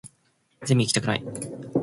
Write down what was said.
ゼミ行きたくない